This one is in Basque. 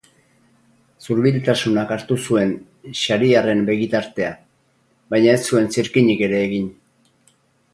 Zurbiltasunak hartu zuen Xariarren begitartea, baina ez zuen zirkinik ere egin.